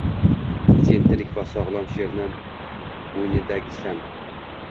Sen tirik va sogʻlom sherni boʻynidagisisan.